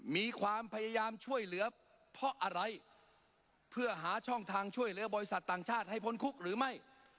มีความพยายามช่วยเหลือเพราะอะไรเพื่อหาช่องทางช่วยเหลือบริษัทต่างชาติให้พ้นคุกหรือไม่